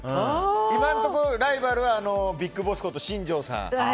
今のところ、ライバルはＢＩＧＢＯＳＳこと新庄さん。